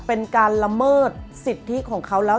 เป็นการละเมิดสิทธิของเขาแล้ว